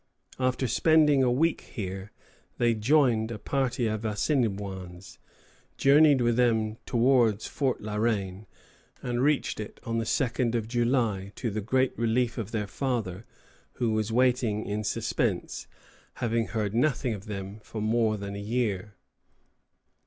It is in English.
After spending a week here, they joined a party of Assinniboins, journeyed with them towards Fort La Reine, and reached it on the 2d of July, to the great relief of their father, who was waiting in suspense, having heard nothing of them for more than a year.